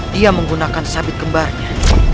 dia menggunakan sabit kembarnya